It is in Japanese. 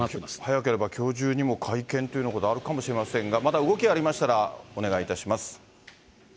早ければきょう中にも会見というようなことがあるかもしれませんが、また動きがありましたら、お願いいたします。